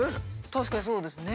確かにそうですね。